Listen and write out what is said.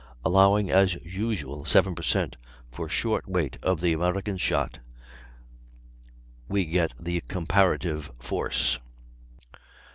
Allowing, as usual, 7 per cent, for short weight of the American shot, we get the COMPARATIVE FORCE.